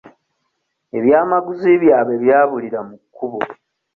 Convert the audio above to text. Ebyamaguzi byabwe byabulira mu kkubo.